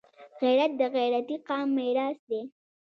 غیرت د غیرتي قام میراث دی